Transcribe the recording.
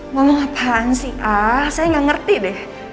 ngomong apaan sih ah saya gak ngerti deh